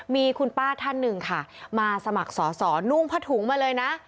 มีคุณป้าท่านหนึ่งค่ะมาสมัครสอสอนุ่งผ้าถุงมาเลยนะ